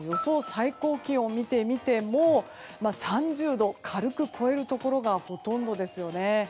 最高気温を見てみても３０度を軽く超えるところがほとんどですよね。